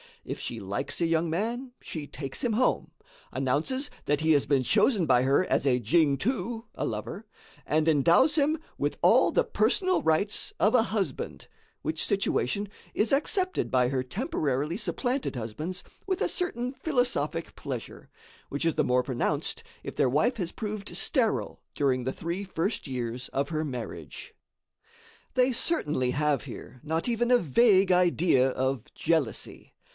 If she likes a young man, she takes him home, announces that he has been chosen by her as a "jingtuh" (a lover), and endows him with all the personal rights of a husband, which situation is accepted by her temporarily supplanted husbands with a certain philosophic pleasure, which is the more pronounced if their wife has proved sterile during the three first years of her marriage. They certainly have here not even a vague idea of jealousy.